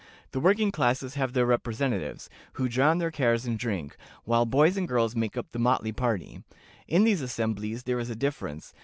The working classes have their representatives, who drown their cares in drink, while boys and girls make up the motley party. In these assemblies there is a difference.